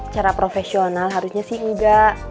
cara profesional harusnya sih enggak